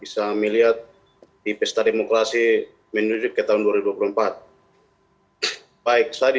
shalom selamat malam